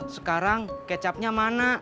sekarang kecapnya mana